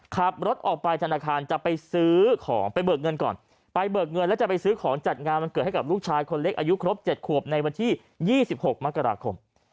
ขับรถออกไปธนาคารจะไปซื้อของไปเบิกเงินก่อนไปเบิกเงินแล้วจะไปซื้อของจัดงานวันเกิดให้กับลูกชายคนเล็กอายุครบ๗ขวบในวันที่๒๖มกราคม